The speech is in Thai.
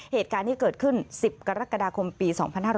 เหตุการณ์ที่เกิดขึ้น๑๐กรกฎาคมปี๒๕๕๙